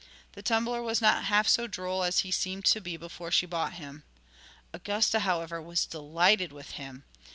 The tumbler was not half so droll as he seemed to be before she bought him. Augusta, however, was delighted with him.